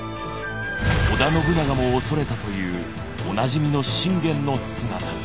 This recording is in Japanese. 織田信長も恐れたというおなじみの信玄の姿。